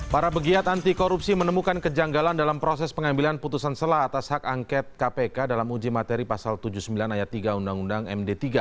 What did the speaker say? para pegiat anti korupsi menemukan kejanggalan dalam proses pengambilan putusan selah atas hak angket kpk dalam uji materi pasal tujuh puluh sembilan ayat tiga undang undang md tiga